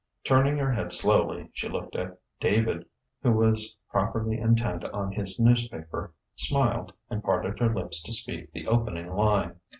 Turning her head slowly, she looked at David, who was properly intent on his newspaper, smiled, and parted her lips to speak the opening line.